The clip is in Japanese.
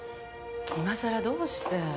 今さらどうして？